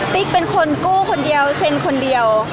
ติ๊กเป็นคนกู้คนเดียวเซ็นคนเดียว